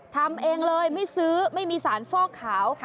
ทำเองเลยไม่ซื้อไม่มีสารฟอกขาว